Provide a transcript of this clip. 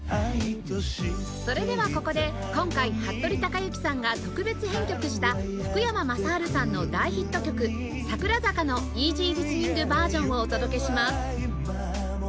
それではここで今回服部之さんが特別編曲した福山雅治さんの大ヒット曲『桜坂』のイージーリスニングバージョンをお届けします